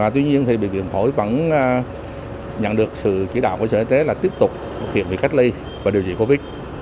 tuy nhiên thì bệnh viện phổi vẫn nhận được sự chỉ đạo của sở y tế là tiếp tục thực hiện việc cách ly và điều trị covid